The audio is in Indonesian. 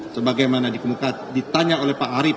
sebagaimana ditanya oleh pak arief